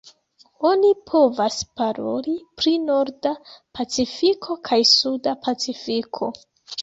Oni povas paroli pri Norda Pacifiko kaj Suda Pacifiko.